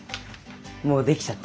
もう出来ちゃった。